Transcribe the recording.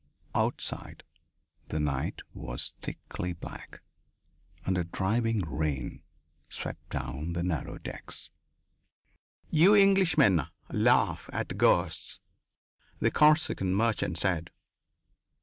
Outside, the night was thickly black and a driving rain swept down the narrow decks. "You Englishmen laugh at ghosts," the Corsican merchant said.